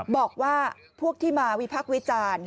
บอกว่าพวกที่มาวิพักษ์วิจารณ์